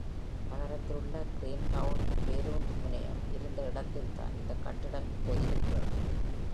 நகரத்திலுள்ள கிரீர்ஹவுண்ட் பேருந்து முனையம் இருந்த இடத்தில்தான் இந்த கட்டிடம் இப்போது இருக்கிறது.